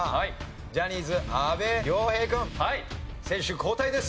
ジャニーズ阿部亮平君選手交代です！